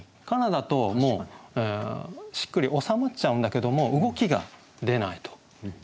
だとしっくり収まっちゃうんだけども動きが出ないと。